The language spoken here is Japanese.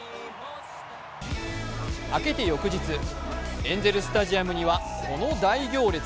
明けて翌日、エンゼルスタジアムにはこの大行列。